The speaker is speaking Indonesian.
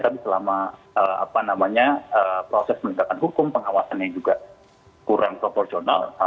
tapi selama apa namanya proses meningkatkan hukum pengawasannya juga kurang proporsional